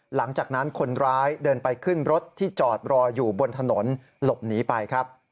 หลังจากนั้นคนร้ายเดินไปขึ้นรถที่จอดรออยู่บนถนนหลบหนีไปครับ